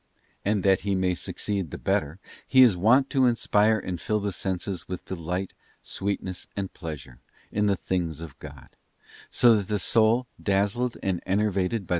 And that he may succeed the better, he is wont to inspire and fill the senses with delight, sweetness, and pleasure, in SATAN AS A MIMIC. 227 the things of God; so that the soul, dazzled and enervated by cur.